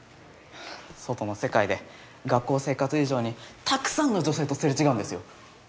外の世界で学校生活以上にたくさんの女性と擦れ違うんですよ！